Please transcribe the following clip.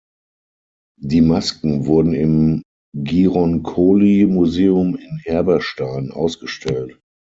Die Masken wurden im Gironcoli-Museum in Herberstein ausgestellt.